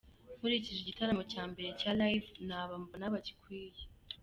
Nkurikije igitaramo cya mbere cya Live ni aba mbona bagikwiye”.